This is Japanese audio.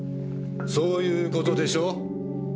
そういう事でしょ？